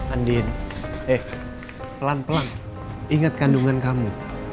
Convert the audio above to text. andiin pelan pelan ingat kandungan kamu